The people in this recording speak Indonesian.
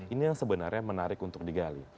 ini yang sebenarnya menarik untuk digali